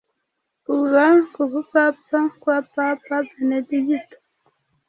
kuva ku bupapa kwa Papa Benedigito